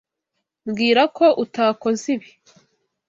Mbwira ko utakoze ibi.